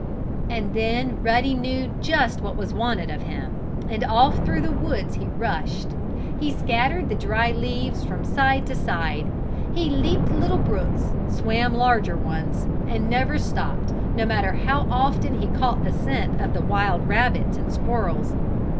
And then Ruddy knew just what was wanted of him, and off through the woods he rushed. He scattered the dried leaves from side to side, he leaped little brooks, swam larger ones and never stopped, no matter how often he caught the scent of the wild rabbits and squirrels.